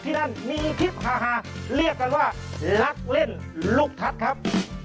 ที่นั่นมีคลิปฮาเรียกกันว่าลักเล่นลูกทัศน์ครับ